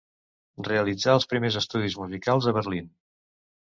Realitzà els primers estudis musicals a Berlín.